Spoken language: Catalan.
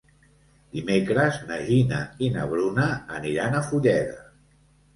Dimecres na Gina i na Bruna aniran a Fulleda.